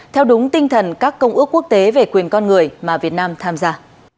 theo đúng tinh thần các công ước quốc tế về quyền con người mà việt nam tham gia